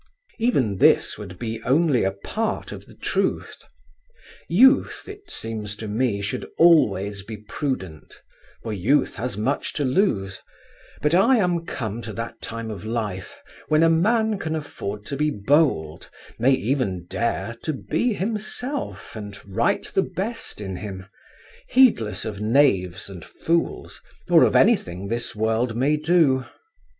Even this would be only a part of the truth. Youth it seems to me should always be prudent, for youth has much to lose: but I am come to that time of life when a man can afford to be bold, may even dare to be himself and write the best in him, heedless of knaves and fools or of anything this world may do.